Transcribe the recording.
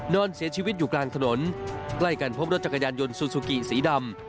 นอนเสียชีวิตอยู่กลางถนนใกล้กันพบรถจักรยานยนต์ซูซูกิสีดำ